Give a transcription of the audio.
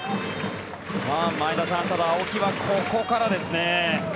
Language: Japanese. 前田さん、ただ、青木はここからですね。